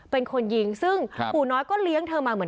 ประตู๓ครับ